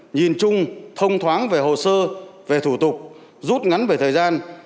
nhìn chung thông thoáng về hồ sơ về thủ tục rút ngắn về thời gian